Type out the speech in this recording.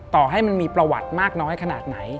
ต่อให้มันมีประวัติมากน้อยขนาดไหน